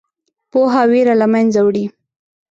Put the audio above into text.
پوهه ویره له منځه وړي.